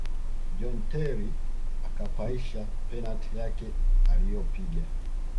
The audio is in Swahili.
john terry akapaisha penati yake aliyopiga